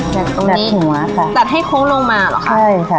ดัดตรงนี้ดัดขนวอล์ค่ะดัดให้โค้งลงมาเหรอค่ะใช่ค่ะ